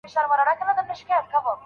ایا په رښتیا د مشاور او مشر مانا ورته ده؟